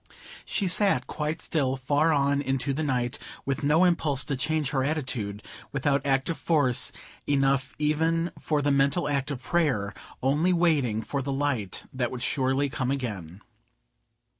She sat quite still, far on into the night, with no impulse to change her attitude, without active force enough even for the mental act of prayer; only waiting for the light that would surely come again.